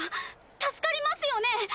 助かりますよね？